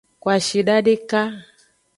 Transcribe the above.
Kwashida deka.